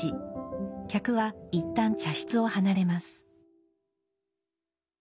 客はいったん茶室を離れます。